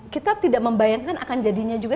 kita tidak membayangkan akan jadinya juga